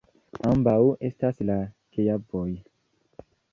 Ambaŭ estas la geavoj.